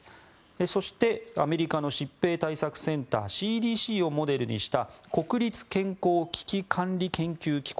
そしてアメリカの疾病対策センター・ＣＤＣをモデルにした国立健康危機管理研究機構